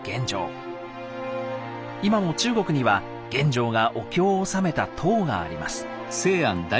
今も中国には玄奘がお経を納めた塔があります。